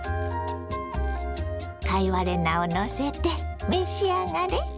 貝割れ菜をのせて召し上がれ。